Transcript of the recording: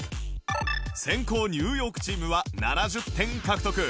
先攻ニューヨークチームは７０点獲得